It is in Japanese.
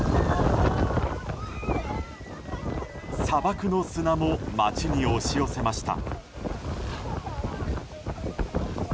砂漠の砂も町に押し寄せました。